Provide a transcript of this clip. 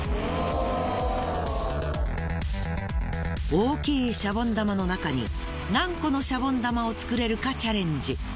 大きいシャボン玉の中に何個のシャボン玉を作れるかチャレンジ。